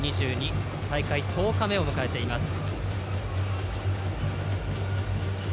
大会１０日目を迎えています。